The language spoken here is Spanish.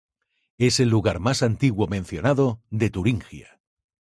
Es el lugar más antiguo mencionado de Turingia.